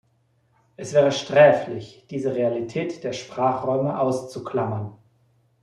Es wäre sträflich, diese Realität der Sprachräume auszuklammern.